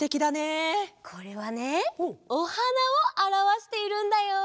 これはねおはなをあらわしているんだよ！